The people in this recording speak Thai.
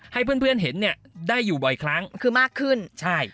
ให้เพื่อนเพื่อนเห็นเนี่ยได้อยู่บ่อยครั้งคือมากขึ้นใช่